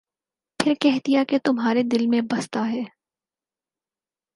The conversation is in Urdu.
پھر کہہ دیا کہ تمھارے دل میں بستا ہے ۔